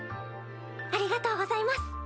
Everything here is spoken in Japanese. ありがとうございます！